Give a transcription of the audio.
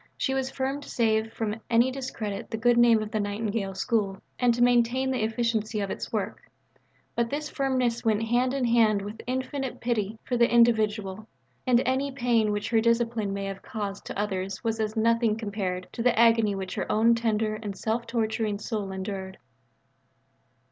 She was firm to save from any discredit the good name of the Nightingale School and to maintain the efficiency of its work; but this firmness went hand in hand with infinite pity for the individual, and any pain which her discipline may have caused to others was as nothing compared to the agony which her own tender and self torturing soul endured.